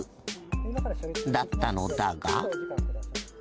だったのだが。